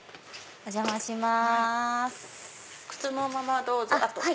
お邪魔します。